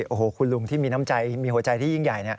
โอ้โหคุณลุงที่มีน้ำใจมีหัวใจที่ยิ่งใหญ่